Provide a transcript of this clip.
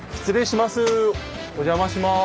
失礼します！